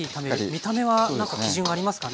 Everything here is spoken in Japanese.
見た目は何か基準はありますかね？